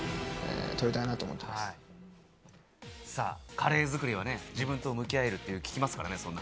カレー作りは自分と向き合えると聞きますからね。